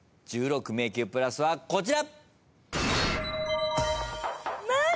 １６迷宮プラスはこちら。